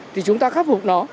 thì chúng ta khắc phục nó